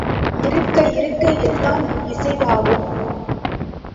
இருக்க இருக்க எல்லாம் இசைவாகும்.